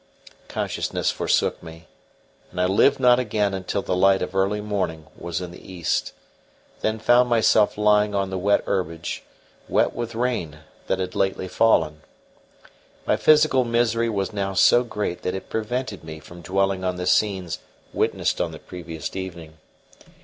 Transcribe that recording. Consciousness forsook me, and I lived not again until the light of early morning was in the east; then found myself lying on the wet herbage wet with rain that had lately fallen. My physical misery was now so great that it prevented me from dwelling on the scenes witnessed on the previous evening.